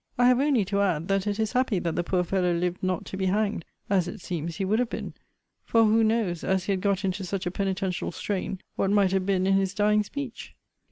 I have only to add, that it is happy that the poor fellow lived not to be hanged; as it seems he would have been; for who knows, as he had got into such a penitential strain, what might have been in his dying speech?